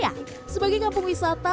ya sebagai kampung wisata